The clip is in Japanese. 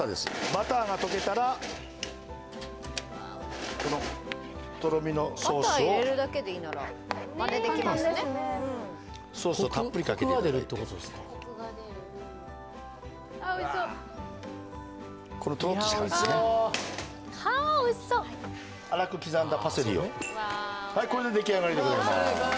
バターが溶けたらこのとろみのソースをバター入れるだけでいいならまねできますねソースをたっぷりかけていただいてああおいしそうこのとろっとした感じですねはおいしそう粗く刻んだパセリをこれでできあがりでございます